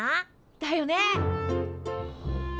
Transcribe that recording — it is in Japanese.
だよね！